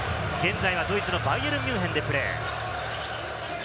現在はドイツのバイエルン・ミュンヘンでプレー。